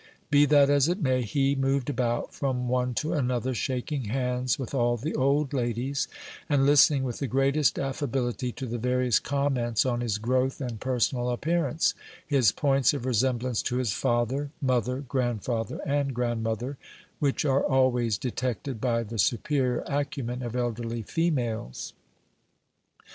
Be that as it may, he moved about from one to another, shaking hands with all the old ladies, and listening with the greatest affability to the various comments on his growth and personal appearance, his points of resemblance to his father, mother, grandfather, and grandmother, which are always detected by the superior acumen of elderly females.